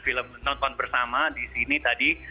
film nonton bersama di sini tadi